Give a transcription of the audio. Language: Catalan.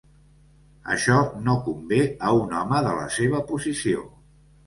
Això no convé a un home de la seva posició.